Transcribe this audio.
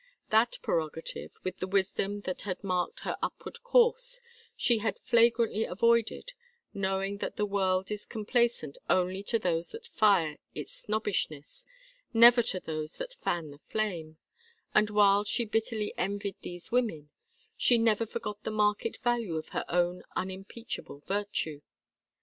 That prerogative, with the wisdom that had marked her upward course, she had flagrantly avoided, knowing that the world is complacent only to those that fire its snobbishness, never to those that fan the flame; and while she bitterly envied these women, she never forgot the market value of her own unimpeachable virtue.